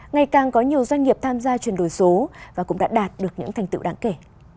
ngày càng có nhiều doanh nghiệp tham gia chuyển đổi số và cũng đã đạt được những thành tựu đáng kể